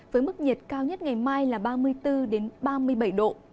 với mức nhiệt cao nhất ngày mai là ba mươi bốn ba mươi bảy độ